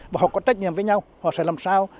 và họ có trách nhiệm với nhau họ sẽ làm sao